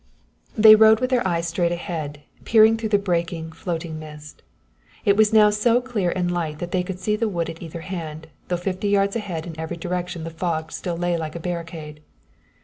They rode with their eyes straight ahead, peering through the breaking, floating mist. It was now so clear and light that they could see the wood at either hand, though fifty yards ahead in every direction the fog still lay like a barricade.